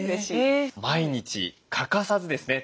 毎日欠かさずですね